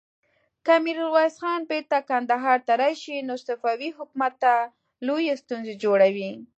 که ميرويس خان بېرته کندهار ته راشي، نو صفوي حکومت ته لويې ستونزې جوړوي.